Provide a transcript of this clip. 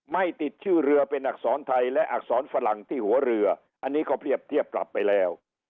ไม่ติดชื่อเรือเป็นอักษรไทยและอักษรฝรั่งที่หัวเรืออันนี้ก็เรียบเทียบปรับไปแล้ว